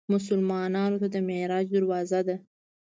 مسلمانانو ته د معراج دروازه ده.